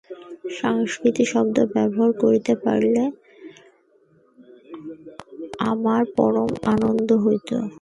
সংস্কৃত শব্দ ব্যবহার করিতে পারিলে আমার পরম আনন্দ হইত।